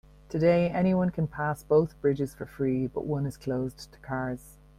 Today, anyone can pass both bridges for free, but one is closed to cars.